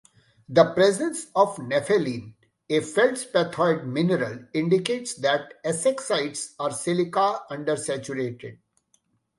The presence of nepheline, a feldspathoid mineral, indicates that essexites are silica undersaturated.